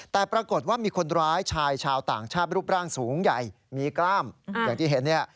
แต่ปรากฏว่ามีคนร้ายชายชาวต่างชาติรูปร่างสูงใหญ่มีกล้ามอย่างที่เห็นเนี่ย